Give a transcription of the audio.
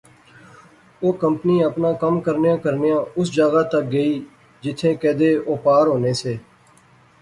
او کمپنی اپنا کم کرنیاں کرنیاں اس جاغا تک گئی جتھیں کیدے و پار ہونے سے